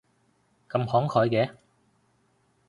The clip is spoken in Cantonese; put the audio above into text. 咁慷慨嘅